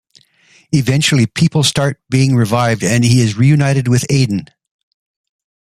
Eventually people start being revived, and he is reunited with Adne.